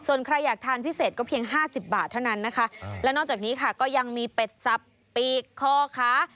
ส่วนใครอยากทานพิเศษก็เพียงห้าสิบบาทเท่านั้นนะคะและนอกจากนี้ค่ะก็ยังมีเป็ดสับปีกคอขา